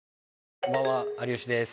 こんばんは、有吉です。